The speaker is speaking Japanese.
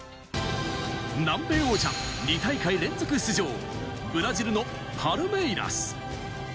南米王者、２大会連続出場、ブラジルのパルメイラス。